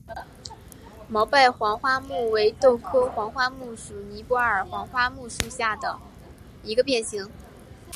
毛瓣黄花木为豆科黄花木属尼泊尔黄花木下的一个变型。